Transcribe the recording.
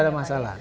tidak ada masalah